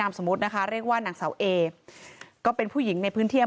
สมมุตินะคะเรียกว่านางเสาเอก็เป็นผู้หญิงในพื้นที่